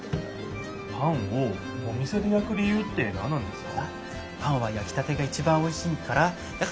パンをお店でやく理ゆうってなんなんですか？